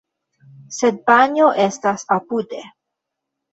Sed panjo estas apude.